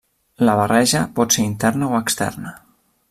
La barreja pot ser interna o externa.